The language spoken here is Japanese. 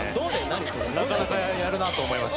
なかなかやるなと思いました。